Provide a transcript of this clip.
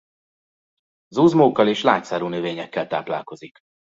Zuzmókkal és lágy szárú növényekkel táplálkozik.